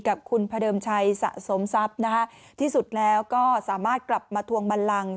กับคุณพระเดิมชัยสะสมทรัพย์นะคะที่สุดแล้วก็สามารถกลับมาทวงบันลัง